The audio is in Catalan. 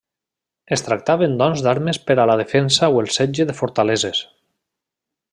Es tractaven doncs d'armes per a la defensa o de setge de fortaleses.